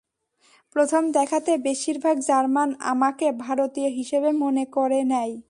প্রথম দেখাতে বেশির ভাগ জার্মান আমাকে ভারতীয় হিসেবে মনে করে নেয়।